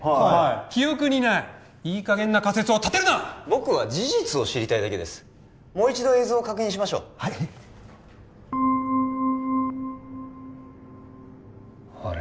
記憶にないいい加減な仮説を立てるな僕は事実を知りたいだけですもう一度映像を確認しましょうあれ？